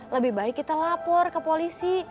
lebih baik kita lapor ke polisi